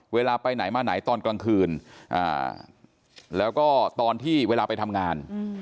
เวลาไปไหนมาไหนตอนกลางคืนแล้วก็ตอนที่เวลาไปทำงาน